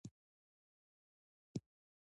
تاریخ د خپل ولس د ودې لامل دی.